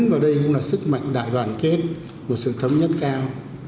và đây cũng là sức mạnh đại đoàn kết một sự thống nhất cao